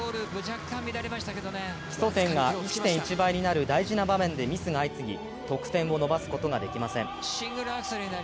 基礎点が１．１倍になる大事な場面でミスが相次ぎ得点を伸ばすことができません。